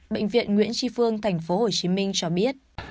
bệnh viện nguyễn tri phương tp hcm cho biết